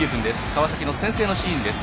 川崎の先制のシーンです。